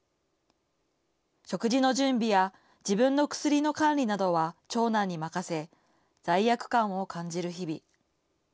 食事の準備や自分の薬の管理などは長男に任せ罪悪感を感じる日々。